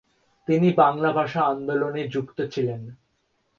তিনি বাংলা ভাষা আন্দোলনে যুক্ত ছিলেন।